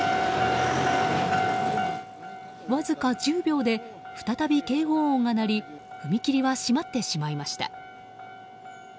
わずか１０秒で再び警報音が鳴り踏切は閉まってしまいました。